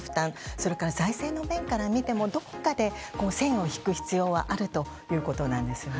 それから財政の面からみてもどこかで線を引く必要があるということなんですよね。